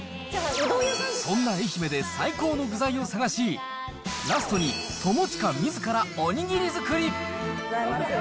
そんな愛媛で最高の具材を探し、ラストに、友近みずから、おにぎり作り。